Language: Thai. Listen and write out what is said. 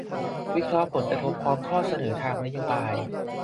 วิเคราะห์ผลกระทบ และข้อเสนอทางนโยบาย